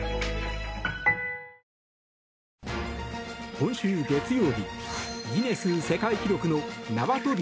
今週月曜日ギネス世界記録の縄跳び